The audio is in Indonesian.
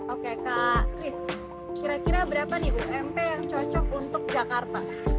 oke kak chris kira kira berapa nih ump yang cocok untuk jakarta